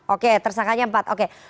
oke tersangkanya empat